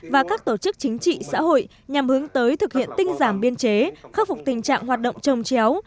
và các tổ chức chính trị xã hội nhằm hướng tới thực hiện tinh giảm biên chế khắc phục tình trạng hoạt động trồng chéo